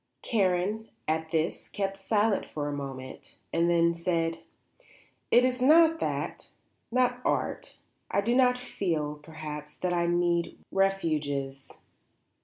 Karen, at this, kept silence for a moment, and then said: "It is not that; not art. I do not feel, perhaps, that I need refuges.